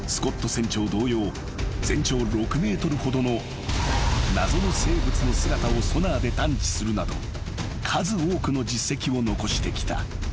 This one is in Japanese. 同様全長６ｍほどの謎の生物の姿をソナーで探知するなど数多くの実績を残してきた］